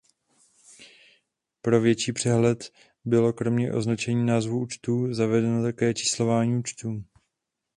Pro větší přehled bylo kromě označení názvu účtů zavedeno také "číslování účtů".